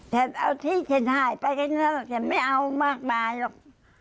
แถบเอาที่เช็นหายไปกันแล้วแถบไม่เอามากมายหรอก